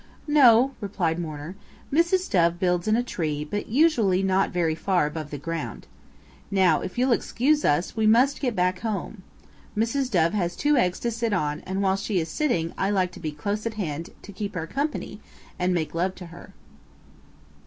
"No," replied Mourner. "Mrs. Dove builds in a tree, but usually not very far above the ground. Now if you'll excuse us we must get back home. Mrs. Dove has two eggs to sit on and while she is siting I like to be close at hand to keep her company and make love to her."